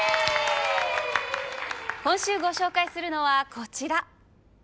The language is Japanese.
今週ご紹介するのはこちら。